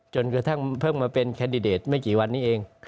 จนกระทั่งเพิ่งมาเป็นแคนดิเดตไม่กี่วันนี้เอง